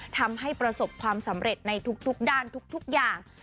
ทำให้ประสบความสำเร็จในทุกด้านทุกอย่าง